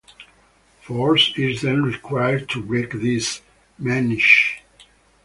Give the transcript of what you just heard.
Force is then required to break these menisci.